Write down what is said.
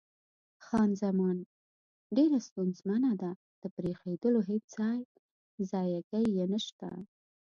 خان زمان: ډېره ستونزمنه ده، د پرېښودلو هېڅ ځای ځایګی یې نشته.